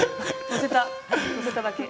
載せただけ。